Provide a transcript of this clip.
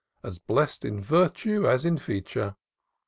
As blest in virtue as in feature.